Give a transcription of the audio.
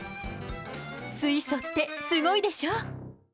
水素ってすごいでしょ！